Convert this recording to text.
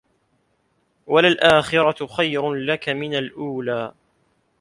وَلَلآخِرَةُ خَيرٌ لَكَ مِنَ الأولى